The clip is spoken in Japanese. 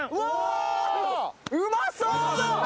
うまそう！